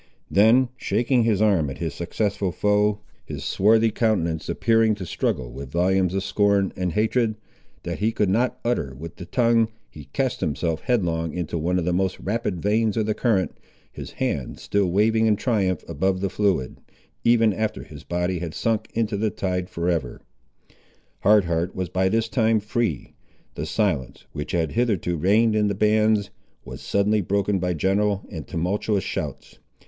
Then shaking his arm at his successful foe, his swarthy countenance appearing to struggle with volumes of scorn and hatred, that he could not utter with the tongue, he cast himself headlong into one of the most rapid veins of the current, his hand still waving in triumph above the fluid, even after his body had sunk into the tide for ever. Hard Heart was by this time free. The silence, which had hitherto reigned in the bands, was suddenly broken by general and tumultuous shouts.